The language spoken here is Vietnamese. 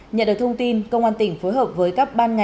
nhận được thông tin công an tỉnh phối hợp với các ban đồng tháp